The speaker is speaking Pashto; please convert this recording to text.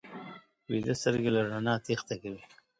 ویده سترګې له رڼا تېښته کوي